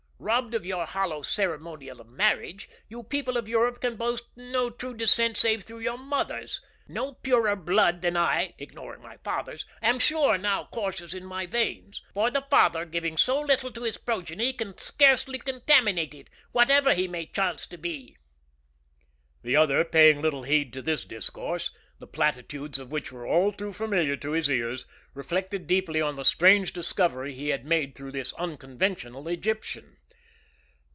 Robbed of your hollow ceremonial of marriage, you people of Europe can boast no true descent save through your mothers no purer blood than I, ignoring my fathers, am sure now courses in my veins; for the father, giving so little to his progeny, can scarcely contaminate it, whatever he may chance to be." The other, paying little heed to this discourse, the platitudes of which were all too familiar to his ears, reflected deeply on the strange discovery he had made through this unconventional Egyptian.